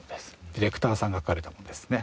ディレクターさんが書かれたものですね。